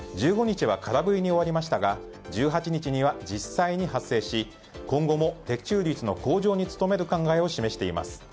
１５日は空振りに終わりましたが１８日には実際に発生し今後も的中率の向上に努める考えを示しています。